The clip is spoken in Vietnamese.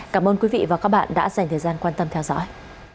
cảm ơn quý vị và các bạn đã dành thời gian quan tâm theo dõi